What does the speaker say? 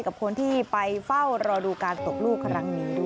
กับคนที่ไปเฝ้ารอดูการตกลูกครั้งนี้ด้วย